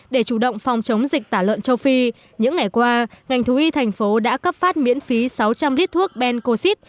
để chủ động phòng chống dịch tả lợn châu phi những ngày qua ngành thú y thành phố đã cấp phát miễn phí sáu trăm linh lít thuốc bencoxid